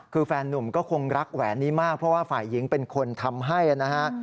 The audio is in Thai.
คือแฟนนุ่มก็คงรักแหวนนี้มากเพราะว่าฝ่ายหญิงเป็นคนทำให้นะฮะ